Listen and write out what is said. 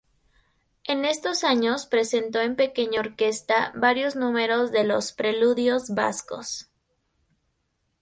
En estos años presentó en pequeña orquesta varios números de los "Preludios Vascos".